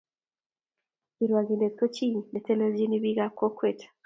Kirwongindet ko chi ne telechin bik ab kokwet